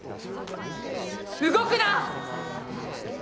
動くな！